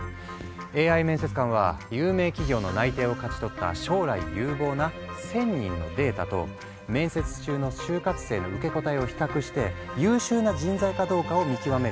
ＡＩ面接官は有名企業の内定を勝ち取った将来有望な１，０００人のデータと面接中の就活生の受け答えを比較して優秀な人材かどうかを見極めるんだとか。